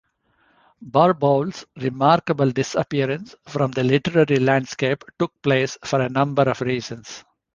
Barbauld's remarkable disappearance from the literary landscape took place for a number of reasons.